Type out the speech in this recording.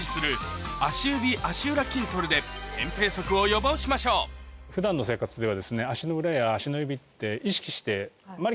で扁平足を予防しましょう普段の生活では意識して。